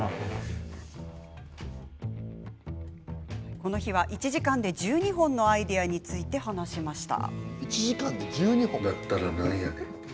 この日は１時間で１２本のアイデアについて話しました。